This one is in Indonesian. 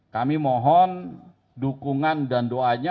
kami mohon dukungan dan doanya